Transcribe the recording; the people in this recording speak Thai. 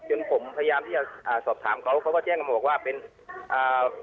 ผมพยายามที่จะอ่าสอบถามเขาเขาก็แจ้งกันมาบอกว่าเป็นอ่า